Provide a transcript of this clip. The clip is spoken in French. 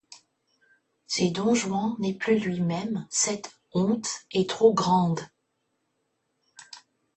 Si Don Juan n'est plus lui-même, cette honte est trop grande.